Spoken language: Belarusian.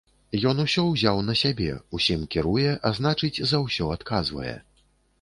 Ён усё ўзяў на сябе, усім кіруе, а значыць, за ўсё адказвае.